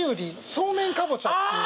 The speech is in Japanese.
そうめんかぼちゃっていう。